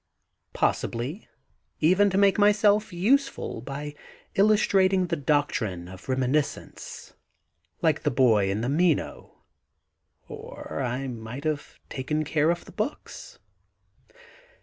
Possibly, even to make myself useful by illustrating the doctrine of reminis cence, like the boy in the Meno; or I might have taken care of the books.